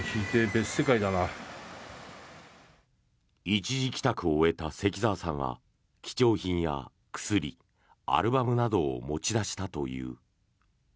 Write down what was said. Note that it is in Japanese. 一時帰宅を終えた関澤さんは貴重品や薬アルバムなどを持ち出したという。